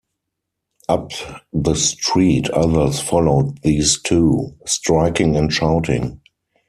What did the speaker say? Up the street others followed these two, striking and shouting.